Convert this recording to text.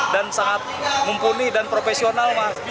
dan sangat mumpuni dan profesional mas